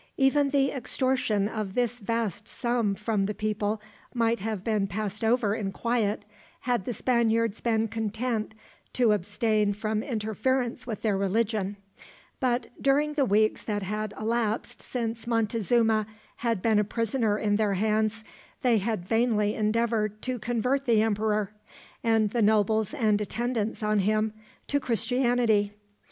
Even the extortion of this vast sum from the people might have been passed over in quiet, had the Spaniards been content to abstain from interference with their religion; but during the weeks that had elapsed since Montezuma had been a prisoner in their hands, they had vainly endeavored to convert the emperor, and the nobles and attendants on him, to Christianity.